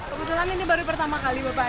kebetulan ini baru pertama kali bapak